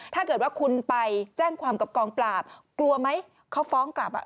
ถ้าเกิดว่าคุณไปแจ้งความกับกองปราบกลัวไหมเขาฟ้องกลับอ่ะ